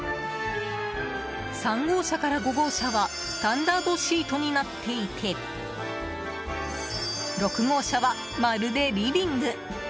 ３号車から５号車はスタンダードシートになっていて６号車は、まるでリビング。